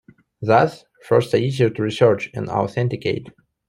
Thus, "firsts" are easier to research and authenticate.